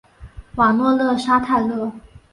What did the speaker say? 瓦诺勒沙泰勒。